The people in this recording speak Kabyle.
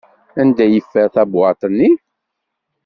Anda i yeffer tabwaḍt-nni?